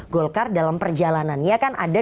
golkar dalam perjalanannya kan ada